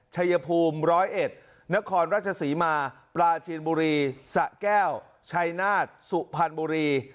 ชัยภูมิ๑๐๑นครราชศรีมาปลาจีนบุรีสะแก้วชัยนาฏสุพรรณบุรี